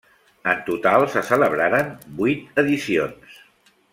En total se celebraren vuit edicions.